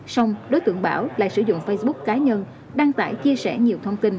xong đối tượng bảo lại sử dụng facebook cá nhân đăng tải chia sẻ nhiều thông tin